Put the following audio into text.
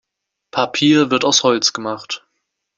Papier wird aus Holz gemacht.